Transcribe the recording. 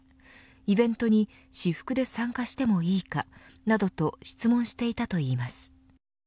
イベントに私服で参加してもいいか。などと質問していたといいます。